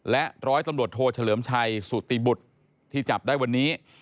และร้อยตำรวจโทเฉลิมชัยสุติบุตรที่จับได้วันนี้